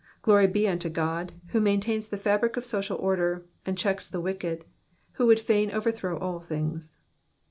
Glory be unto God who maintains the fabric of social order, and checks the wicked, who would fain overthrow all things.